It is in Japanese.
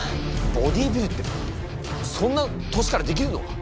ボディービルってそんな年からできるのか？